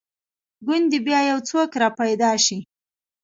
ګوندې بیا یو څوک را پیدا شي.